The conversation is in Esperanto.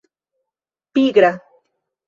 pigra